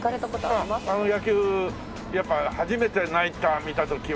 あの野球やっぱ初めてナイター見た時はきれいだったね。